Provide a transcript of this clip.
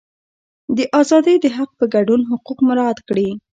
د ازادۍ د حق په ګډون حقوق مراعات کړي.